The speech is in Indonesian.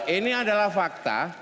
ini adalah fakta